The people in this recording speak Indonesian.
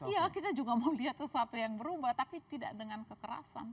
iya kita juga mau lihat sesuatu yang berubah tapi tidak dengan kekerasan